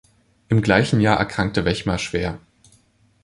Im gleichen Jahr erkrankte Wechmar schwer.